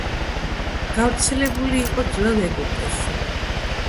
გავრცელებული იყო ძველ ეგვიპტეში.